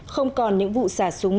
không còn những vụ xả súng